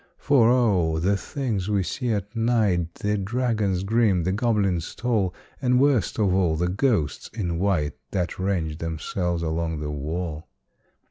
For O! the things we see at night The dragons grim, the goblins tall, And, worst of all, the ghosts in white That range themselves along the wall!